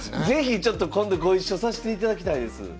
是非ちょっと今度ご一緒さしていただきたいです。